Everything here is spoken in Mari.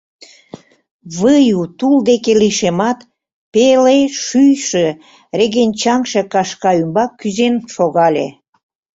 Выю тул дек лишемат, пеле шӱйшӧ, регенчаҥше кашка ӱмбак кӱзен шогале.